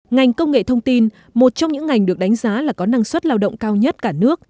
ngành công nghệ thông tin một trong những ngành được đánh giá là có năng suất lao động cao nhất cả nước